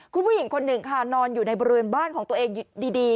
คุณผู้หญิงคนหนึ่งค่ะนอนอยู่ในบริเวณบ้านของตัวเองดี